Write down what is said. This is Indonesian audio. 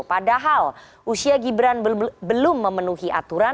padahal usia gibran belum memenuhi aturan